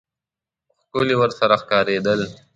ښکلي ورسره ښکارېدل.